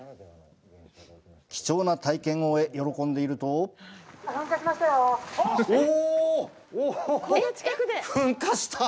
貴重な体験を終え、喜んでいるとお、噴火した！